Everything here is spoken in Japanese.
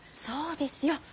そうですよ。